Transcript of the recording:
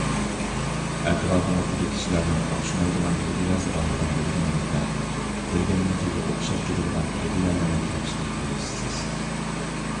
ئەتراپىڭىزدىكى كىشىلەرنىڭ ئوخشىمايدىغان ئىدىيەسى بارلىقىنى بىلگىنىڭىزدە، بىر-بىرىنىڭكىگە ئوخشاپ كېتىدىغان ئىدىيەلەرنى تېپىشقا تىرىشىسىز.